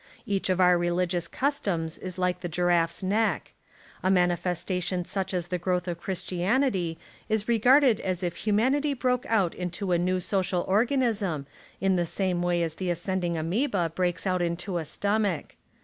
Each of our religious cus toms is like the giraffe's neck. A manifesta tion such as the growth of Christianity is re garded as if humanity broke out into a new social organism, in the same way as the ascend ing amoeba breaks out into a stomach.